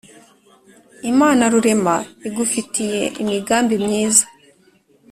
imana rurema igufitiye imigambi myiza